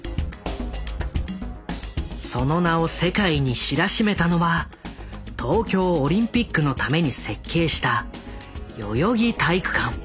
その名を世界に知らしめたのは東京オリンピックのために設計した代々木体育館。